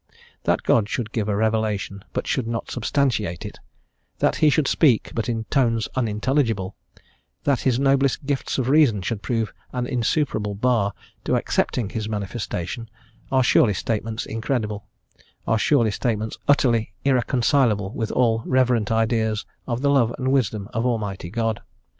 That God should give a revelation, but should not substantiate it, that He should speak, but in tones unintelligible, that His noblest gifts of reason should prove an insuperable bar to accepting his manifestation, are surely statements incredible, are surely statements utterly irreconcileable with all reverent ideas of the love and wisdom of Almighty God.